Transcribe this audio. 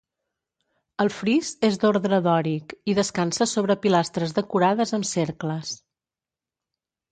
El fris és d'ordre dòric, i descansa sobre pilastres decorades amb cercles.